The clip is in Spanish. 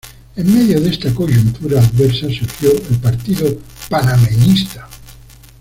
En medio de esta coyuntura adversa surgió el Partido Panameñista.